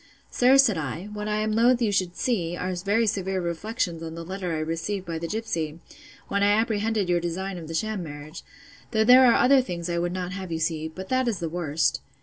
Sir, said I, what I am loath you should see, are very severe reflections on the letter I received by the gipsy, when I apprehended your design of the sham marriage; though there are other things I would not have you see; but that is the worst.